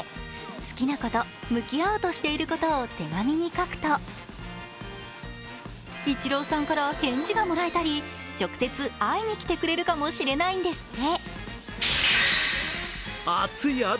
好きなこと、向き合おうとしていることを手紙に書くとイチローさんから返事がもらえたり直接会いに来てくれるかもしれないんですって。